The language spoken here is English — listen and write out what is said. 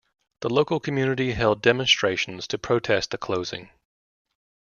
The local community held demonstrations to protest the closing.